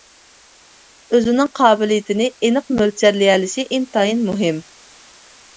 ئۆزىنىڭ قابىلىيىتىنى ئېنىق مۆلچەرلىيەلىشى ئىنتايىن مۇھىم.